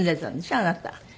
あなた。